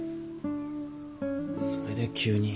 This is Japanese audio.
それで急に。